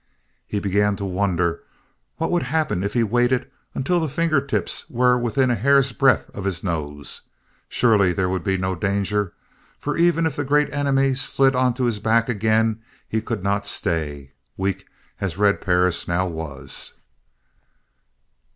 He began to wonder: what would happen if he waited until the finger tips were within a hair's breadth of his nose? Surely there would be no danger, for even if the Great Enemy slid onto his back again he could not stay, weak as Red Perris now was.